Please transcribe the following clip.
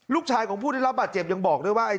ลูกชายของผู้ได้รับบาดเจ็บยังบอกด้วยว่า